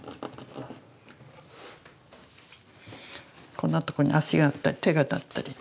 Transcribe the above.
こんなとこに足があったり手があったり。